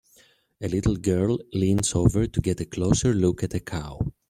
A little girl leans over to get a closer look at a cow.